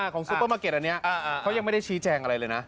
ซูเปอร์มาร์เก็ตอันนี้เขายังไม่ได้ชี้แจงอะไรเลยนะ